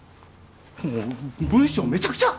もう文章めちゃくちゃ！